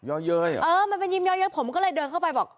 เย้ยเย้ยอ่ะเออมันมันยิ้มเย้ยเย้ยผมก็เลยเดินเข้าไปบอก